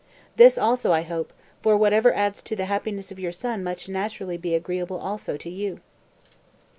This also I hope, for whatever adds to the happiness of your son must naturally be agreeable also to you."